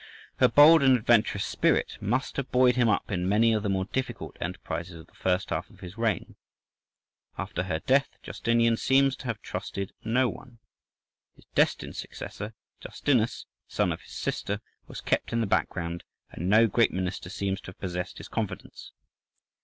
Her bold and adventurous spirit must have buoyed him up in many of the more difficult enterprises of the first half of his reign. After her death, Justinian seems to have trusted no one: his destined successor, Justinus, son of his sister, was kept in the background, and no great minister seems to have possessed his confidence.